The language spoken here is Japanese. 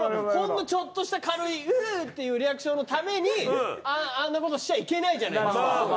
ちょっとした軽い「う」っていうリアクションのためにあんなことしちゃいけないじゃない。